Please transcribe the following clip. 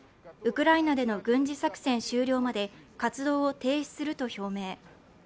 ウクライナでの軍事作戦終了まで活動を停止すると表明。